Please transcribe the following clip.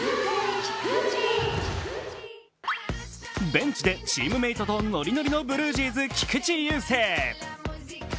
ベンチでチームメートとノリノリのブルージェイズ・菊池雄星。